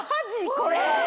これ。